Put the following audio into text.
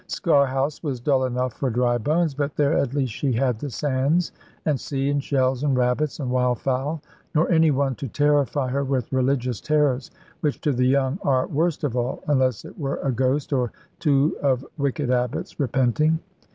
Sker House was dull enough for dry bones: but there at least she had the sands, and sea, and shells, and rabbits, and wild fowl: nor any one to terrify her with religious terrors which to the young are worst of all unless it were a ghost or two of wicked abbots repenting.